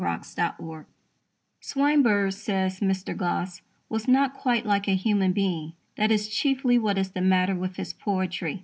GENIUS WITHOUT EYES Swinburne, says Mr. Gosse, "was not quite like a human being." That is chiefly what is the matter with his poetry.